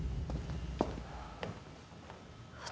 私。